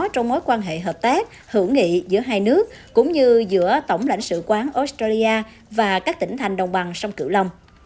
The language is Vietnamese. trong mối quan hệ hợp tác hữu nghị giữa hai nước cũng như giữa tổng lãnh sự quán australia và các tỉnh thành đồng bằng sông cửu long